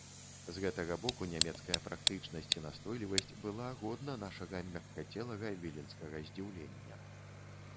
З гэтага боку нямецкая практычнасць і настойлівасць была годна нашага мяккацелага віленскага здзіўлення.